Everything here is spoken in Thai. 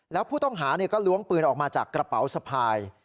แล้วผู้ต้องหาก็ล้วงปืนออกมาจากกระเป๋าสะพาย